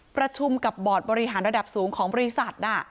ประชุมกับบอร์ดบริหารระดับสูงของบริษัท